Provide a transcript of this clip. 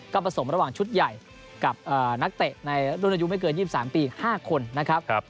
ก็ผสมระหว่างชุดใหญ่กับนักเตะในรุ่นอายุไม่เกิน๒๓ปี๕คนนะครับ